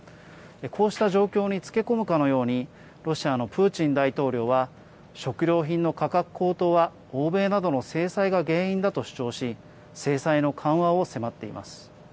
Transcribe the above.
こうした状況につけ込むかのように、ロシアのプーチン大統領は食料品の価格高騰は欧米などの制裁が原因だと主張し、制裁の緩和を迫っています。